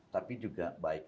tapi juga baik